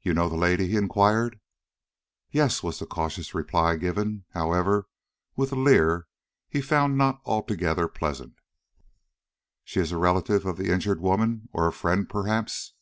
"You know the lady?" he inquired. "Yes," was the cautious reply, given, however, with a leer he found not altogether pleasant. "She is a relative of the injured woman, or a friend, perhaps?"